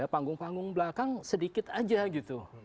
panggung panggung belakang sedikit aja gitu